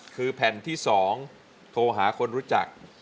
คือแผ่นที่๒โทรหาคนรู้จัก